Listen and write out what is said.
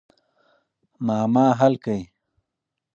معما حل کړئ.